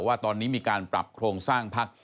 ว่าตอนนี้มีการปรับโครงสร้างพัก